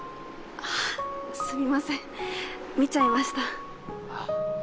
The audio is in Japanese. あすみません見ちゃいました。